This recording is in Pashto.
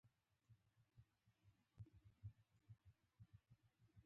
د معلوماتي ټکنالوژۍ رول ورځ تر بلې زیاتېږي.